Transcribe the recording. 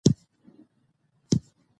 وروسته بیا د عراق بصرې ښار ته ولاړ.